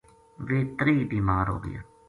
ویہ تریہی بیمار ہوگیا